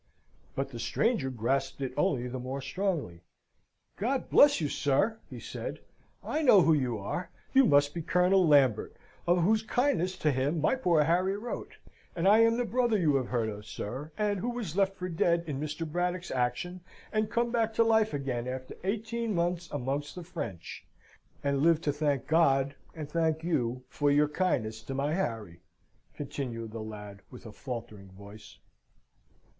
But the stranger grasped it only the more strongly. "God bless you, sir!" he said, "I know who you are. You must be Colonel Lambert, of whose kindness to him my poor Harry wrote. And I am the brother whom you have heard of, sir; and who was left for dead in Mr. Braddock's action; and came to life again after eighteen months amongst the French; and live to thank God and thank you for your kindness to my Harry," continued the lad with a faltering voice.